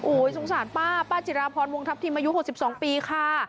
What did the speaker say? สงสารป้าป้าจิราพรวงทัพทิมอายุ๖๒ปีค่ะ